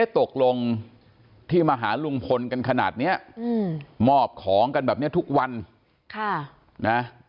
ตกลงที่มาหาลุงพลกันขนาดนี้มอบของกันแบบนี้ทุกวัน